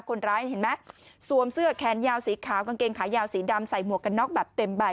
คนร้ายเห็นไหมสวมเสื้อแขนยาวสีขาวกางเกงขายาวสีดำใส่หมวกกันน็อกแบบเต็มใบ